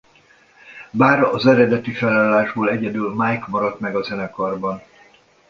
Bár az eredeti felállásból egyedül Mike maradt meg a zenekarban.